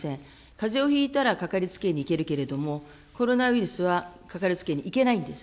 かぜをひいたら、かかりつけ医に行けるけれども、コロナウイルスはかかりつけに行けないんです。